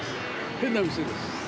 変な店です。